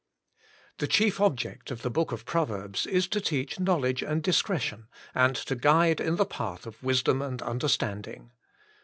5. The chief object of the Book of Proverbs is to teach knowledge and discretion, and to guide in the path of wisdom and understanding.